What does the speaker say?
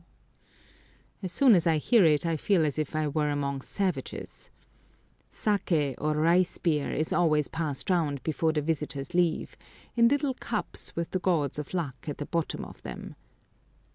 As soon as I hear it I feel as if I were among savages. Saké, or rice beer, is always passed round before the visitors leave, in little cups with the gods of luck at the bottom of them.